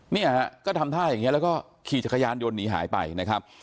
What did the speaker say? เนี่ยฮะก็ทำท่าอย่างนี้แล้วก็ขี่จักรยานยนต์หนีหายไปนะครับ